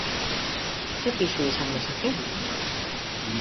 Ze pisu izan dezake?